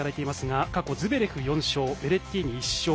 過去ズベレフ、４勝ベレッティーニ、１勝。